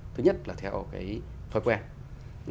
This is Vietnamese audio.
thứ nhất là theo cái thói quen